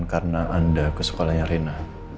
karena anda ke sekolahnya rina